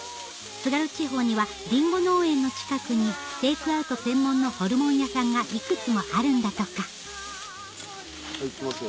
津軽地方にはりんご農園の近くにテイクアウト専門のホルモン屋さんがいくつもあるんだとか行きますよ